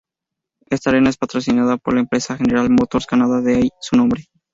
Esta arena es patrocinada por la empresa General Motors Canada de ahí su nombre.